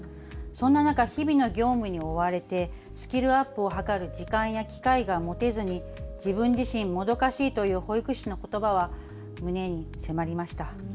そんな中、日々の業務に追われてスキルアップをはかる時間や機会が持てずに自分自身、もどかしいという保育士のことばは胸に迫りました。